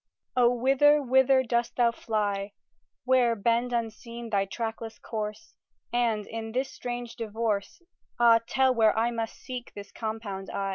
O whither, whither dost thou fly, Where bend unseen thy trackless course, And in this strange divorce, Ah, tell where I must seek this compound I?